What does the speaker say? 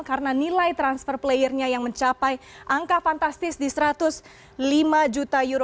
karena nilai transfer player nya yang mencapai angka fantastis di satu ratus lima juta euro